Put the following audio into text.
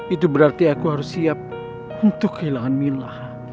itu berarti aku harus siap untuk kehilangan milah